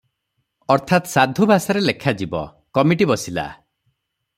ଅର୍ଥାତ୍ ସାଧୁ ଭାଷାରେ ଲେଖା ଯିବ, କମିଟି ବସିଲା ।